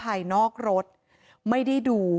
ไม่ได้ดูตอนโครงการหรือหรือไม่ยอมแห่งถูกพร้อม